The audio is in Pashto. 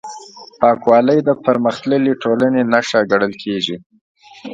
پاکوالی د پرمختللې ټولنې نښه ګڼل کېږي.